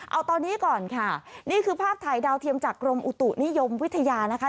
เอาตอนนี้ก่อนค่ะนี่คือภาพถ่ายดาวเทียมจากกรมอุตุนิยมวิทยานะคะ